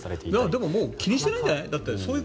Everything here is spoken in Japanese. でももう気にしてないんじゃない？